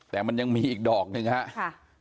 แต่มันยังมีอีกดอกหนึ่งครับ